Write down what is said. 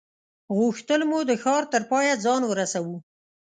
غوښتل مو د ښار تر پایه ځان ورسوو.